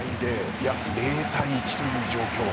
いや０対１という状況。